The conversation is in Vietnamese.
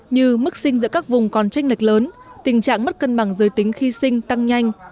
như mức sinh giữa các vùng còn tranh lệch lớn tình trạng mất cân bằng giới tính khi sinh tăng nhanh